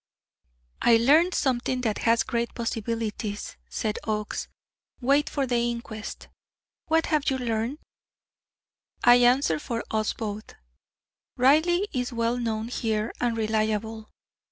"I learned something that has great possibilities," said Oakes. "Wait for the inquest. What have you learned?" I answered for us both: "Reilly is well known here and reliable.